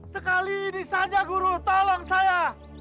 sekali ini saja guru tolong saya